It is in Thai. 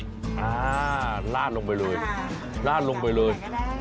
ลาดลงไปเลยลาดลงไปเลย